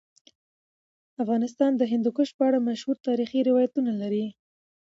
افغانستان د هندوکش په اړه مشهور تاریخی روایتونه لري.